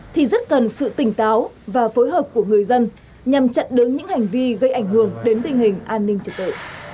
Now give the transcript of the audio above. thì rất cần sự tỉnh táo và phối hợp của người dân nhằm chặn đứng những hành vi gây ảnh hưởng đến tình hình an ninh trật tự